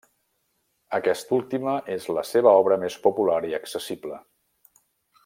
Aquesta última és la seva obra més popular i accessible.